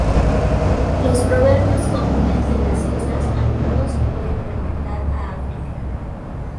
Los proverbios comunes de las islas a menudo se pueden remontar a África.